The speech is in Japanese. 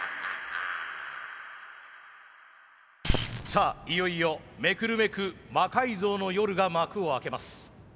さあいよいよめくるめく「魔改造の夜」が幕を開けます。